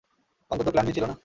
অন্তত plan B ছিলো না?